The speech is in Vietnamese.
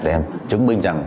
để chứng minh rằng